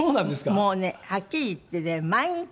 もうねはっきり言ってね毎日。